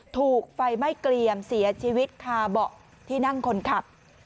ถูกไฟไหม้เกลี่ยมเสียชีวิตคาเบาะที่นั่งคนขับ